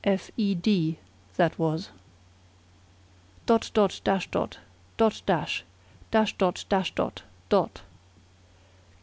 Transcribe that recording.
"F e d," that was. "Dot dot dash dot! Dot dash! Dash dot dash dot! Dot!"